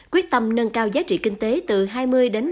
quyết tâm nâng cao giá trị kinh tế từ hai mươi ba mươi so với hiện tại